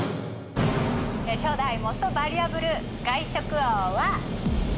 初代モストバリュアブル外食王は。